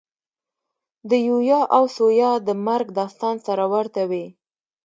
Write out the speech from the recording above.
د یویا او ثویا د مرګ داستان سره ورته وي.